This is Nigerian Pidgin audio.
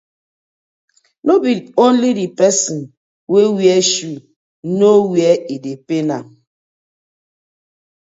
No be only di person wey wear shoe know where e dey pain am.